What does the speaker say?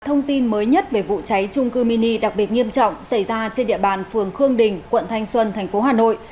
thông tin mới nhất về vụ cháy trung cư mini đặc biệt nghiêm trọng xảy ra trên địa bàn phường khương đình quận thanh xuân thành phố hà nội